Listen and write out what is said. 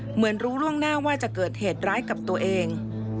เหมือนรู้ล่วงหน้าว่าจะเกิดเหตุร้ายกับตัวเอง